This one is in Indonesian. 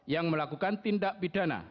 yang melakukan tindak pidana